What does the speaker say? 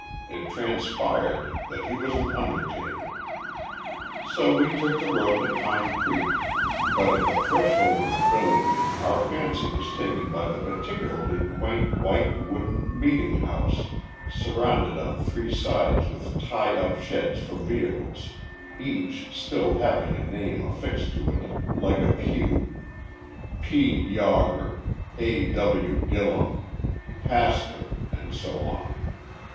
It transpired that he was an undertaker! So we took the road to Pine Creek, but at the threshold of the village our fancy was taken by the particularly quaint white wooden meeting house, surrounded on three sides with tie up sheds for vehicles, each stall having a name affixed to it, like a pew: "P. Yawger," "A.W. Gillum," "Pastor," and so on.